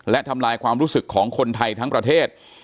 และทำลายความรู้สึกของคนไทยทั้งประเทศ